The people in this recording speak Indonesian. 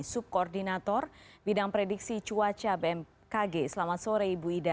subkoordinator bidang prediksi cuaca bmkg selamat sore ibu ida